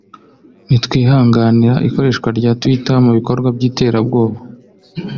“Ntitwihanganira ikoreshwa rya Twitter mu bikorwa by’iterabwona